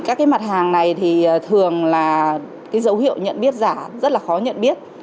các mặt hàng này thường là dấu hiệu nhận biết giả rất là khó nhận biết